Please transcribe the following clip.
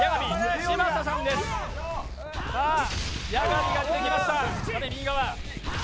八神が出てきました。